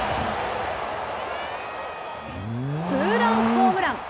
ツーランホームラン。